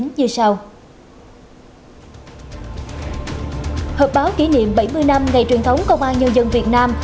hợp báo kỷ niệm bảy mươi năm ngày truyền thống công an nhân dân việt nam